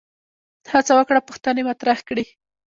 هڅه وکړه پوښتنې مطرح کړي